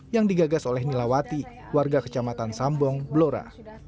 yang digagas oleh nilawati warga kecamatan sambong blora